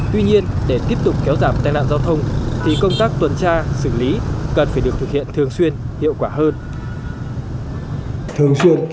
tuy nhiên để tiếp tục kéo giảm tai nạn giao thông thì công tác tuần tra xử lý cần phải được thực hiện thường xuyên hiệu quả hơn